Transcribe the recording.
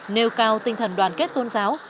nêu cao tinh thần đoàn kết tôn giáo